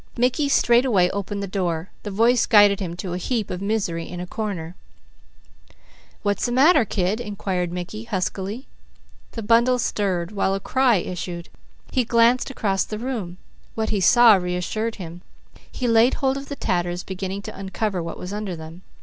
Mickey straightway opened the door. The voice guided him to a heap of misery in a corner. "What's the matter kid?" inquired Mickey huskily. The bundle stirred, while a cry issued. He glanced around the room. What he saw reassured him. He laid hold of the tatters, beginning to uncover what was under them.